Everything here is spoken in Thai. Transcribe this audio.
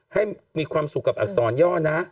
ให้มีความสุขกับอักษรย่อนะ